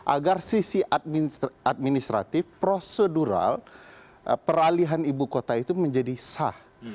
agar sisi administratif prosedural peralihan ibu kota itu menjadi sah